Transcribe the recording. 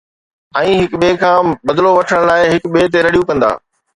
۽ هڪ ٻئي کان بدلو وٺڻ لاءِ هڪ ٻئي تي رڙيون ڪندا